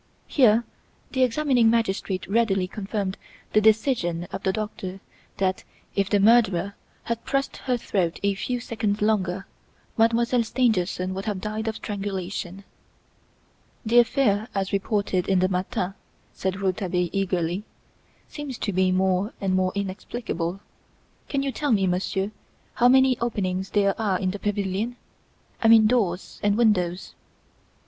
Here the examining magistrate readily confirmed the decision of the doctor that, if the murderer had pressed her throat a few seconds longer, Mademoiselle Stangerson would have died of strangulation. "The affair as reported in the 'Matin,'" said Rouletabille eagerly, "seems to me more and more inexplicable. Can you tell me, Monsieur, how many openings there are in the pavilion? I mean doors and windows."